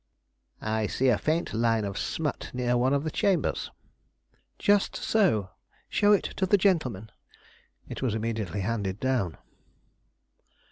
"I see a faint line of smut near one of the chambers." "Just so; show it to the gentlemen." It was immediately handed down.